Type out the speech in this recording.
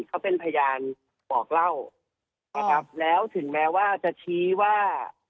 เขาเป็นพยานบอกเล่านะครับแล้วถึงแม้ว่าจะชี้ว่า